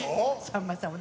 さんまさん